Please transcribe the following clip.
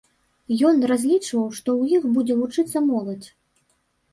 Ён разлічваў, што ў іх будзе вучыцца моладзь.